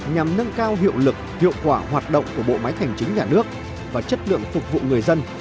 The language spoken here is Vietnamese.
nhằm nâng cao hiệu lực hiệu quả hoạt động của bộ máy hành chính nhà nước và chất lượng phục vụ người dân